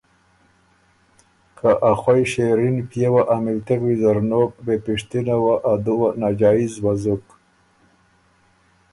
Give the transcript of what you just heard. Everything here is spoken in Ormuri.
که ا خوئ شېرِن پئے وه ا مِلتِغ ویزر نوک بې پِشتِنه وه ا دُوه ناجائز وزُک۔